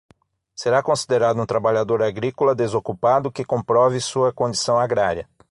Será considerado um trabalhador agrícola desocupado que comprove sua condição agrária.